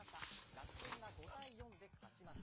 楽天が５対４で勝ちました。